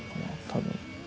多分。